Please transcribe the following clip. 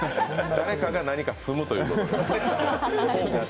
誰かが何か住むということで。